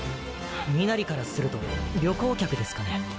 身なりからすると旅行客ですかね。